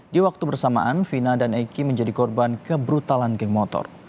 di waktu bersamaan vina dan eki menjadi korban kebrutalan geng motor